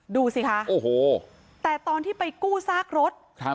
ดูสิคะโอ้โหแต่ตอนที่ไปกู้ซากรถ